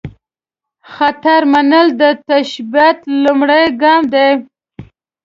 خطر منل، د تشبث لومړۍ ګام دی.